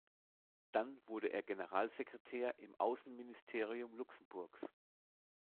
Dann wurde er Generalsekretär im Außenministerium Luxemburgs.